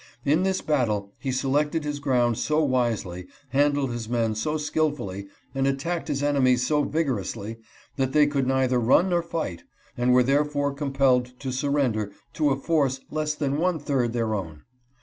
In this battle he selected his ground so wisely, handled his men so skillfully, and attacked his enemies so vigorously, that they could neither run nor fight, and were therefore compelled to surrender to a force less than one third their own.